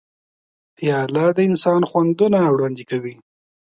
پیاله د انسان خوندونه وړاندې کوي.